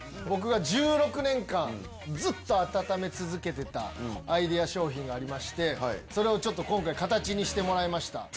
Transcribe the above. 僕が１６年間、ずっと温め続けてたアイデア商品がありまして、それをちょっと今回、形にしてもらいました。